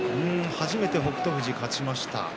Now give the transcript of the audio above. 初めて北勝富士、勝ちました。